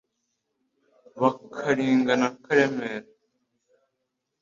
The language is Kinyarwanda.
Ba Karinga na Karemera